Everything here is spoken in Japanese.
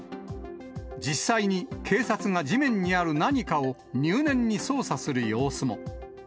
実際に警察が地面にある何かを入念に捜査する様子も。